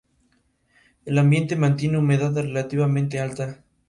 El contratista principal fue Deutsche Werft, en Hamburgo.